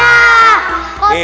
pol pol tenang ya